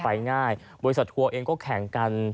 ไปง่ายบริษัททัวร์เองก็แข่งกัน